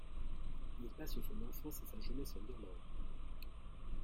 Il passe son enfance et sa jeunesse en Irlande.